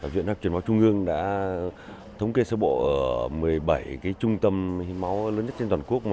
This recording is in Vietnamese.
viện học chuyển máu trung ương đã thống kê số bộ một mươi bảy trung tâm máu lớn nhất trên toàn quốc